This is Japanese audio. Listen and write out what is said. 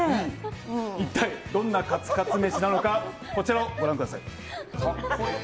一体どんなカツカツ飯なのかこちらをご覧ください。